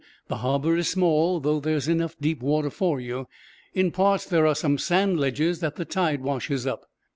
"The harbor is small, though there's enough deep water for you. In parts there are some sand ledges that the tide washes up."